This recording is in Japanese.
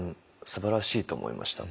すばらしいと思いました。